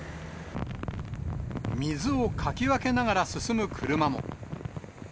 水をかき分けながら進む車も。